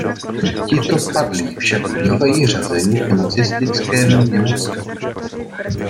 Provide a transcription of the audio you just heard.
Tito padlí však bývají řazeni k nacistickému Německu.